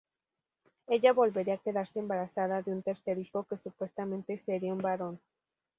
Ella volvería a quedarse embarazada de un tercer hijo que supuestamente sería un varón.